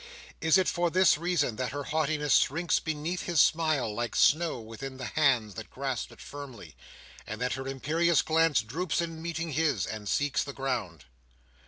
Is it for this reason that her haughtiness shrinks beneath his smile, like snow within the hands that grasps it firmly, and that her imperious glance droops in meeting his, and seeks the ground?